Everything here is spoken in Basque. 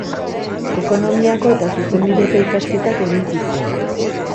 Ekonomiako eta Zuzenbideko ikasketak egin zituen.